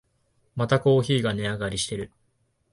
またコーヒーが値上がりしてる